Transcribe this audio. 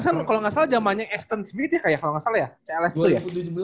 dua ribu tujuh belas kan kalo gak salah zamannya aston smith ya kak ya kalo gak salah ya